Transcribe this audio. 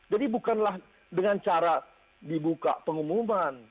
jadi bukanlah dengan cara dibuka pengumuman